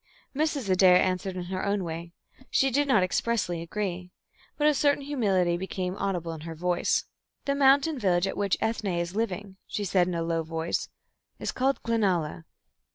Mrs. Adair answered in her own way. She did not expressly agree. But a certain humility became audible in her voice. "The mountain village at which Ethne is living," she said in a low voice, "is called Glenalla.